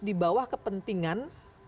di bawah kepentingan